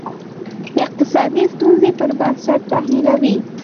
اقتصادي ستونزې پر بنسټ تحلیلوي.